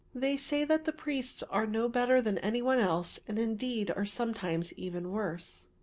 They say that the priests are no better than any one else and indeed are sometimes even worse."